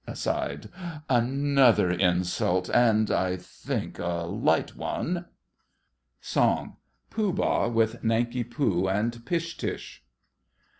(Aside.) Another insult and, I think, a light one! SONG—POOH BAH with NANKI POO and PISH TUSH.